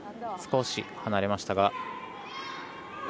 少し離れましたが。